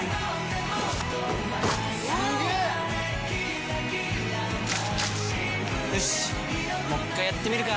すげー‼よしっもう一回やってみるか！